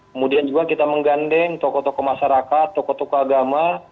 kemudian juga kita menggandeng tokoh tokoh masyarakat tokoh tokoh agama